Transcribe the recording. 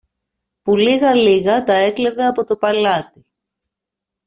που λίγα-λίγα τα έκλεβε από το παλάτι.